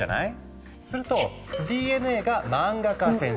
するとＤＮＡが漫画家先生。